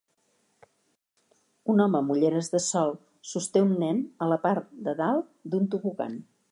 un home amb ulleres de sol sosté un nen a la part de dalt d'un tobogan